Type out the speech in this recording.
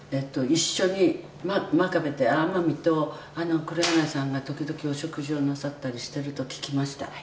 一緒に真壁って天海と黒柳さんが時々お食事をなさったりしてると聞きました」